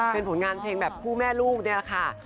เป็นผลงานเพลงแบบคู่แม่ลูกนี่แหละค่ะ